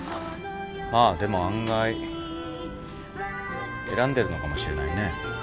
まあでも案外選んでるのかもしれないね。